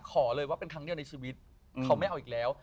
ขอเลยว่าเป็นครั้งเดียวในชีวิตเขาไม่เอาอีกแล้ว